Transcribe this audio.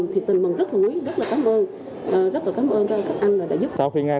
thì tình mừng rất là nguyên rất là cảm ơn rất là cảm ơn các anh đã giúp